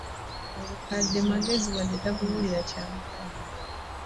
Obukadde magezi wadde takubuulira kyamukaddiya.